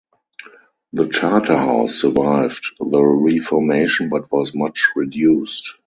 The charterhouse survived the Reformation but was much reduced.